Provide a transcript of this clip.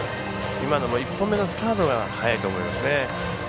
今のも１本目のスタートが早いと思いますね。